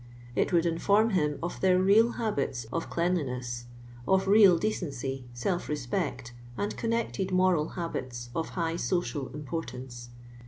It would iiitorni him of their n.'iil habits of clean liiif^K!, of roal drcciicy, solf lospect, and con nected moral hahits of hi^h social importance.